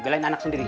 belain anak sendiri